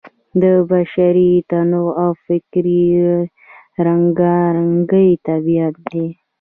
د بشري تنوع او فکري رنګارنګۍ طبیعت دی.